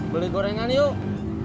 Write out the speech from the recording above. beli gorengan yuk